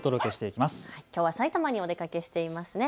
きょうは埼玉にお出かけしていますね。